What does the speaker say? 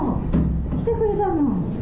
来てくれたの。